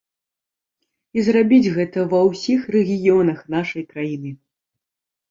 І зрабіць гэта ва ўсіх рэгіёнах нашай краіны.